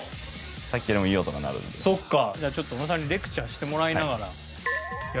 じゃあちょっと小野さんにレクチャーしてもらいながらやりましょうよ。